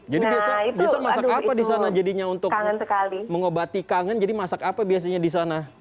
jadi biasa masak apa di sana jadinya untuk mengobati kangen jadi masak apa biasanya di sana